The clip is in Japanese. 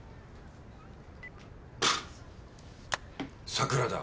桜田。